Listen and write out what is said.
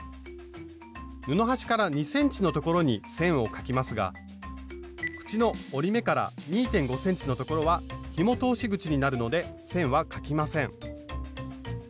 布端から２ｃｍの所に線を描きますが口の折り目から２．５ｃｍの所はひも通し口になるので線は描きません